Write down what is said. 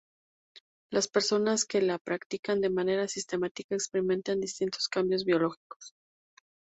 Las personas que la practican de manera sistemática experimentan distintos cambios biológicos.